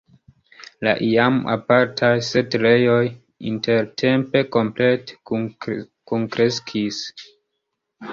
La iam apartaj setlejoj intertempe komplete kunkreskis.